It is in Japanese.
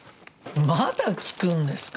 まだ聞くんですか？